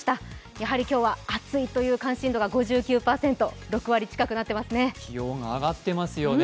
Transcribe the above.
やはり今日は暑いという関心度が５９％、気温が上がってますよね